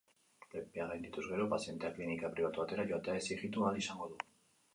Epea gaindituz gero, pazienteak klinika pribatu batera joatea exijitu ahal izango du.